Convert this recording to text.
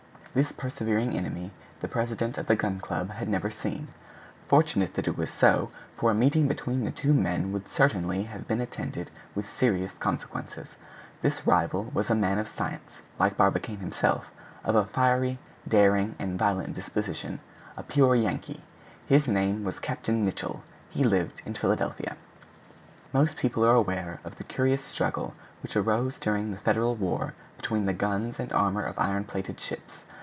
This persevering enemy the president of the Gun Club had never seen. Fortunate that it was so, for a meeting between the two men would certainly have been attended with serious consequences. This rival was a man of science, like Barbicane himself, of a fiery, daring, and violent disposition; a pure Yankee. His name was Captain Nicholl; he lived at Philadelphia. Most people are aware of the curious struggle which arose during the Federal war between the guns and armor of iron plated ships.